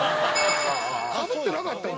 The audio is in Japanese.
かぶってなかったもん。